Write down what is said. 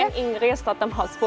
dari game inggris tottenham hotspur